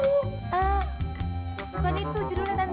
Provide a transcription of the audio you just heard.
ehm bukan itu judulnya tante